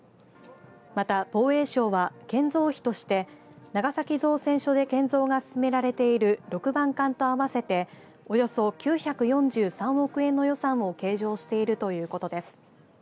また、防衛省は建造費として長崎造船所で建造が進められている６番艦と合わせておよそ９４３億円の予算を計上しているということです。